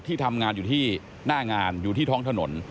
ทำงานอยู่ที่หน้างานอยู่ที่ท้องถนน